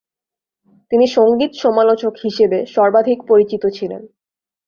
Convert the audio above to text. তিনি সঙ্গীত সমালোচক হিসেবে সর্বাধিক পরিচিত ছিলেন।